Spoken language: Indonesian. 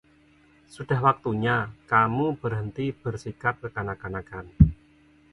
Sudah waktunya kamu berhenti bersikap kekanak-kanakan.